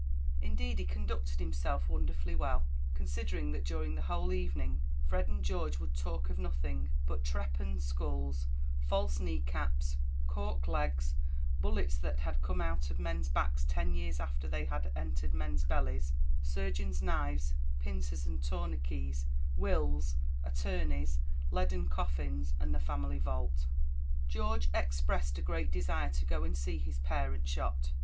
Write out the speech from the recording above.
Indeed he conducted himself wonderfully well, considering that during the whole evening Fred and George would talk of nothing but trepanned skulls, false knee caps cork legs bullets that had come out of men's backs ten years after they had entered men's bellies surgeon's knives pincers and tourniquets wills attorneys leaden coffins, and the family vault. George expressed a great desire to go and see his parent shot.